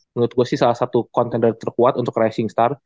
menurut gue sih salah satu kontainer terkuat untuk rising star